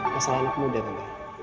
masalah anak muda tante